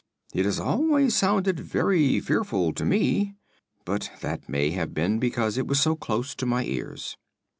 It has always sounded very fearful to me, but that may have been because it was so close to my ears."